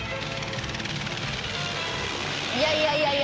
「いやいやいやいや」